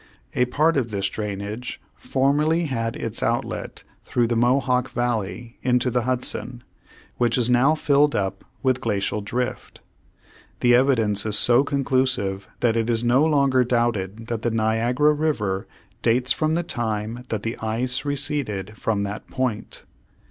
A part of this drainage formerly had its outlet through the Mohawk Valley into the Hudson, which is now filled up with glacial drift. The evidence is so conclusive that it is no longer doubted that the Niagara River dates from the time that the ice receded from that point.